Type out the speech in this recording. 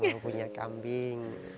mau punya kambing